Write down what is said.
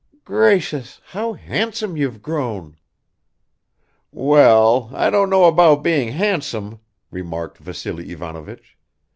"Gracious, how handsome you've grown!" "Well, I don't know about being handsome," remarked Vassily Ivanovich.